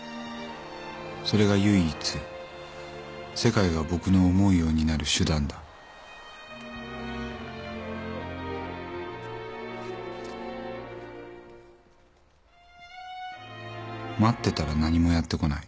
それが唯一世界が僕の思うようになる手段だ」「待ってたら何もやってこない。